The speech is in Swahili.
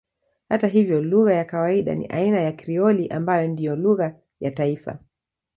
Hata hivyo lugha ya kawaida ni aina ya Krioli ambayo ndiyo lugha ya taifa.